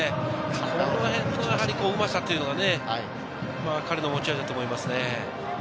このへんのうまさというのが、彼の持ち味だと思いますね。